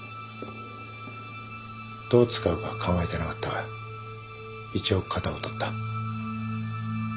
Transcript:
どう使うかは考えてなかったが一応型をとった。